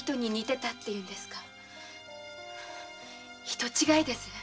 人違いですよ